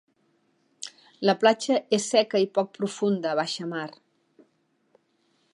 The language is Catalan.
La platja és seca i poc profunda a baixamar.